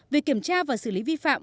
vì kiểm tra và xử lý vi phạm